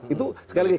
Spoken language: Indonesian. itu sekali lagi